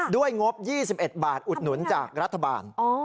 งบ๒๑บาทอุดหนุนจากรัฐบาล